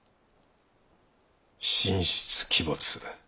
神出鬼没。